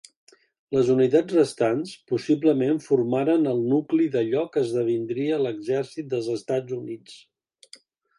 Les unitats restants possiblement formaren el nucli d'allò que esdevindria l'Exèrcit dels Estats Units.